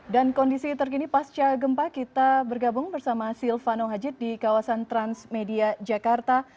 dan kondisi terkini pasca gempa kita bergabung bersama silvano hajid di kawasan transmedia jakarta